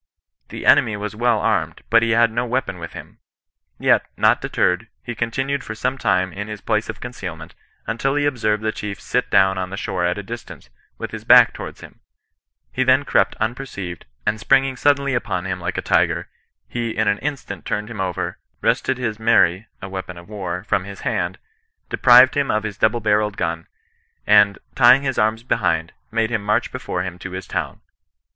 The enemy was well armed, but he had no weapon with him ; yet, not deterred, he continued for some time in his place of concealment, until he observed the chief sit down on the shore at a distance, with his back towards him: he then crept unperceived, and springing suddenly upon him like a tiger, he in a instant turned him over, wrested his mery (a weapon of war) from his hand, deprived him of his double barrelled gun, and tying his arms behind, made him march before nim to his town.